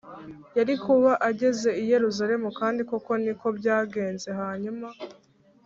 yari kuba ageze i Yerusalemu Kandi koko ni ko byagenze Hanyuma